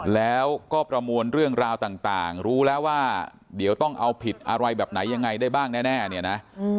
แล้วก็ประมวลเรื่องราวต่างรู้แล้วว่าเดี๋ยวต้องเอาผิดอะไรแบบไหนยังไงได้บ้างแน่เนี่ยนะ